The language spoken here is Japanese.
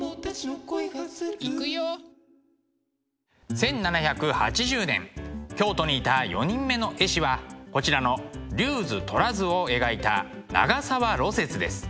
１７８０年京都にいた４人目の絵師はこちらの「龍図」「虎図」を描いた長沢雪です。